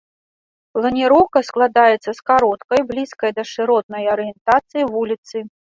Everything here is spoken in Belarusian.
Планіроўка складаецца з кароткай, блізкай да шыротнай арыентацыі вуліцы.